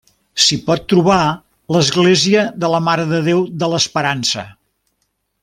S'hi pot trobar l'església de la Mare de Déu de l'Esperança.